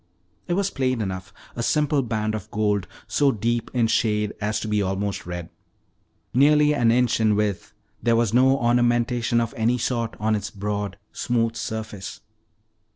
It was plain enough, a simple band of gold so deep in shade as to be almost red. Nearly an inch in width, there was no ornamentation of any sort on its broad, smooth surface.